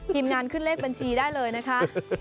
ทีมงานขึ้นเลขบัญชีได้เลยนะคะ